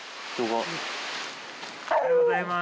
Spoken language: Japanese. おはようございます。